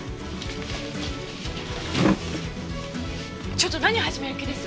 ちょっと何始める気です？